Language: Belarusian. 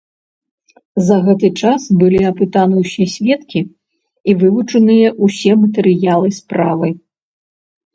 За гэты час былі апытаныя ўсе сведкі і вывучаныя ўсе матэрыялы справы.